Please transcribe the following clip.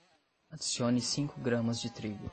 adicione cinco gramas de trigo.